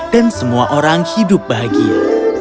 dan semua orang hidup baik